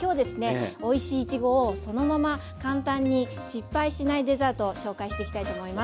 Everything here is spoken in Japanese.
おいしいいちごをそのまま簡単に失敗しないデザートを紹介していきたいと思います。